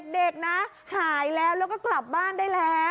เด็กนะหายแล้วแล้วก็กลับบ้านได้แล้ว